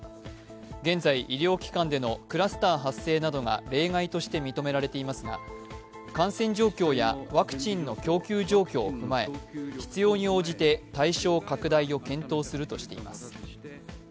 現在、医療機関でのクラスター発生などが例外として認められていますが感染状況やワクチンの供給状況を踏まえ必要に応じて、対象拡大を検討するとしています。